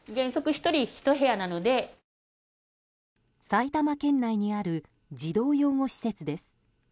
埼玉県内にある児童養護施設です。